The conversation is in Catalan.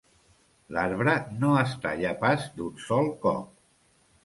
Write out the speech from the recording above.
L'arbre no es talla pas d'un sol cop.